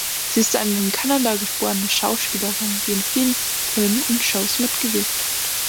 Sie ist eine in Kanada geborene Schauspielerin, die in vielen Filmen und Shows mitgewirkt hat.